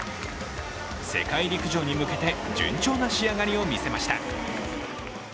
世界陸上に向けて順調な仕上がりを見せました。